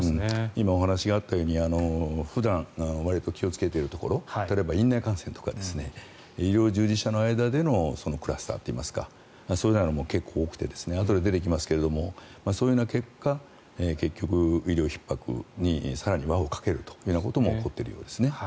今お話があったように普段、わりと気をつけているところ例えば院内感染とか医療従事者の間でのクラスターといいますかそういうのが結構、多くてあとで出てきますがそういうような結果結局、医療ひっ迫に更に輪をかけるということも起こっているようですね。